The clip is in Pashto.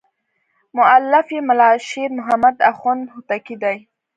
مؤلف یې ملا شیر محمد اخوند هوتکی دی.